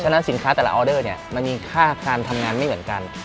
ฉะสินค้าแต่ละออเดอร์เนี่ยมันมีค่าการทำงานไม่เหมือนกัน